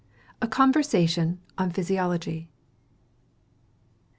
A CONVERSATION ON PHYSIOLOGY.